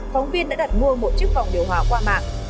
phóng viên đã đặt mua một chiếc vòng điều hòa qua mạng